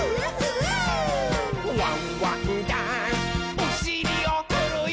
おしりをふるよ。